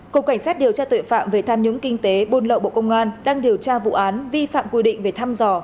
cục cảnh sát điều tra tội phạm về tham nhũng kinh tế buôn lậu bộ công an đang điều tra vụ án vi phạm quy định về thăm dò